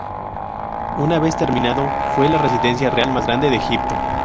Una vez terminado fue la residencia real más grande de Egipto.